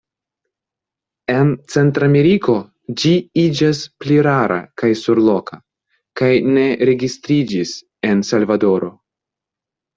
En Centrameriko ĝi iĝas pli rara kaj surloka, kaj ne registriĝis en Salvadoro.